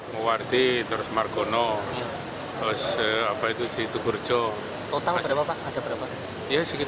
muwardi terus margono